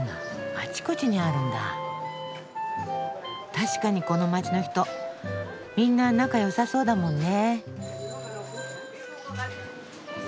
確かにこの街の人みんな仲良さそうだもんね。